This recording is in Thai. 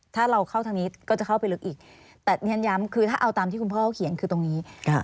ถ้าเราเข้าทางนี้ก็จะเข้าไปลึกอีกแต่เรียนย้ำคือถ้าเอาตามที่คุณพ่อเขาเขียนคือตรงนี้